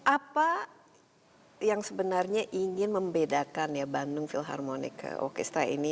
apa yang sebenarnya ingin membedakan ya bandung philharmonic ke orchestra ini